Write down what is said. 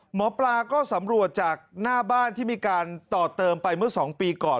หมอปลาก็สำรวจจากหน้าบ้านที่มีการต่อเติมไปเมื่อ๒ปีก่อน